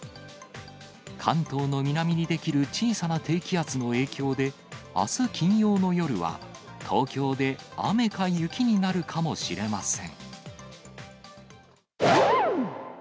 関東の南に出来る小さな低気圧の影響であす金曜の夜は、東京で雨か雪になるかもしれません。